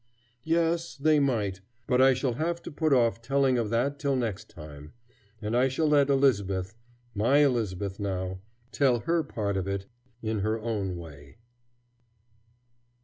Yes, they might. But I shall have to put off telling of that till next time. And I shall let Elizabeth, my Elizabeth now, tell her part of it in her own way.